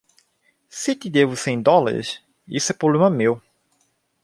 Se te devo cem dólares, isso é problema meu.